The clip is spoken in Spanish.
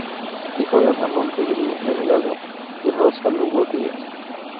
Hijo de Ramón Rodríguez Delgado y Rosa Lugo Díaz.